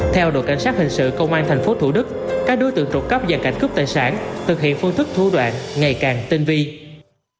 theo đội cảnh sát hình sự công an thành phố thủ đức các đối tượng trục cấp và cảnh cướp tài sản thực hiện phương thức thủ đoạn ngày càng tinh vi